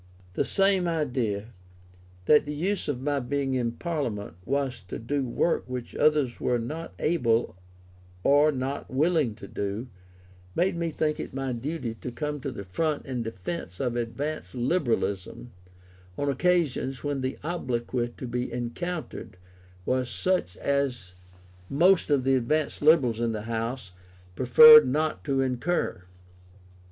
The same idea, that the use of my being in Parliament was to do work which others were not able or not willing to do, made me think it my duty to come to the front in defence of advanced Liberalism on occasions when the obloquy to be encountered was such as most of the advanced Liberals in the House, preferred not to incur.